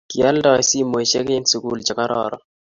kiyalndai simoishek en sukul che kararon